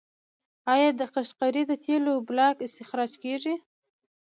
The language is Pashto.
آیا د قشقري د تیلو بلاک استخراج کیږي؟